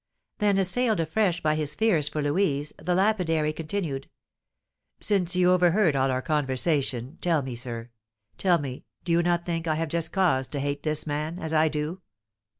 Then, assailed afresh by his fears for Louise, the lapidary continued: "Since you overheard all our conversation, tell me, sir, tell me, do you not think I have just cause to hate this man, as I do?